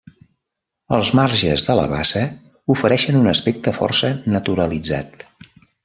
Els marges de la bassa ofereixen un aspecte força naturalitzat.